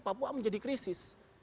papua menjadi krisis